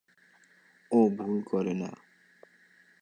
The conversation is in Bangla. ও ভুল করে না।